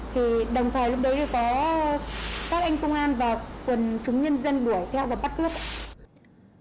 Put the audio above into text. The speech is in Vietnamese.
thì đồng thời lúc đấy có các anh công an và quần chúng nhân dân đuổi theo và bắt cướp ấy